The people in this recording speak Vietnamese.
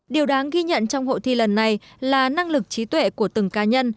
điều đáng ghi nhận trong hội thi lần này là năng lực trí tuệ của từng cá nhân